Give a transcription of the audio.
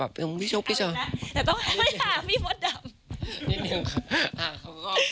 แต่ต้องไปถามพี่มดดดำ